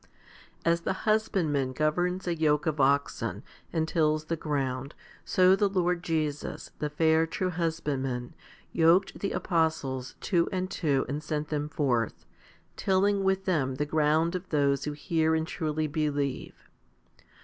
7. As the husbandman governs a yoke of oxen and tills the ground, so the Lord Jesus, the fair true Husbandman, yoked the apostles two and two and sent them forth, tilling with them the ground of those who hear and truly believe.